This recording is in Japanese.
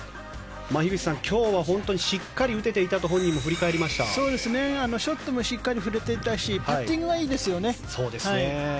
樋口さん、今日は本当にしっかりと打てていたとショットもしっかり振れていたしパッティングがいいですね。